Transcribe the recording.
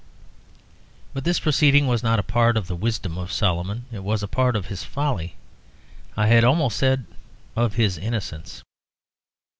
But this proceeding was not a part of the wisdom of Solomon; it was a part of his folly I had almost said of his innocence.